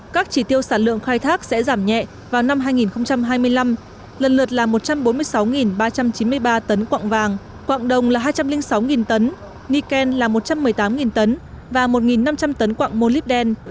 các chỉ tiêu sản lượng khai thác sẽ giảm nhẹ vào năm hai nghìn hai mươi năm lần lượt là một trăm bốn mươi sáu ba trăm chín mươi ba tấn quạng vàng quạng đồng là hai trăm linh sáu tấn nikken là một trăm một mươi tám tấn và một năm trăm linh tấn quạng mô lip đen